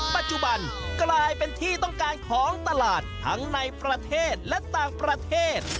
ปัจจุบันกลายเป็นที่ต้องการของตลาดทั้งในประเทศและต่างประเทศ